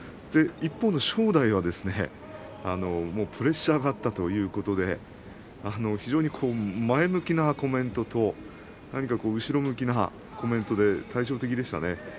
一方の正代はプレッシャーがあったということで前向きなコメントと後ろ向きなコメントで対照的でしたね。